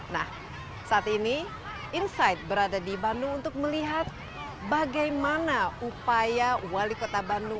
nah saat ini insight berada di bandung untuk melihat bagaimana upaya wali kota bandung